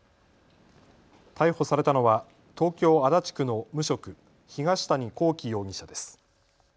逮捕されたのは東京足立区の無職東谷昂紀容疑者です。